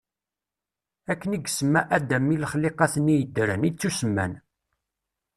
Akken i yesemma Adam i lexliqat-nni yeddren, i ttusemman.